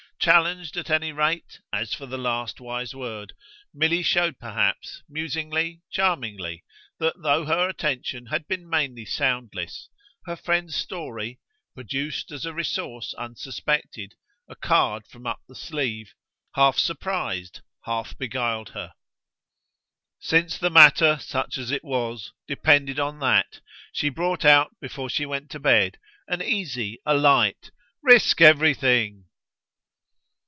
Challenged, at any rate, as for the last wise word, Milly showed perhaps, musingly, charmingly, that, though her attention had been mainly soundless, her friend's story produced as a resource unsuspected, a card from up the sleeve half surprised, half beguiled her. Since the matter, such as it was, depended on that, she brought out before she went to bed an easy, a light "Risk everything!"